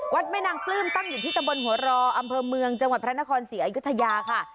วัดแม่นางปลื้มตั้งอยู่ที่ตำบลหัวรออำเภอเมืองจังหวัดพระนครศรีอยุธยาค่ะ